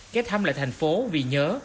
kết thăm lại thành phố vì nhớ